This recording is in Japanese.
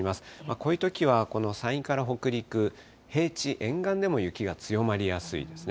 こういうときはこの山陰から北陸、平地沿岸でも雪が強まりやすいですね。